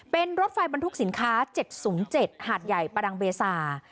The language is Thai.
เป็นรถไฟบรรทุกสินค้า๗๐๗หาดใหญ่ประดังเบซา